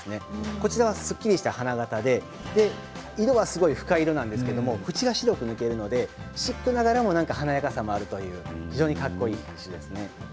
こちらは、すっきりした花形で色は深い色なんですけどシックながらも華やかさもあるという非常にかっこいい品種です。